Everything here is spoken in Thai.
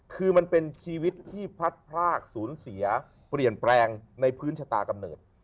คือมันเป็นชีวิตที่พลัดพรากศูนย์เสียเปลี่ยนแปลงในพื้นชะตากำเนิด